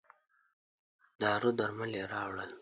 دارو درمل یې راووړل.